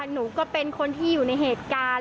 หนูก็เป็นคนที่อยู่ในเหตุการณ์